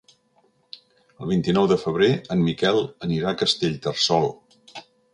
El vint-i-nou de febrer en Miquel anirà a Castellterçol.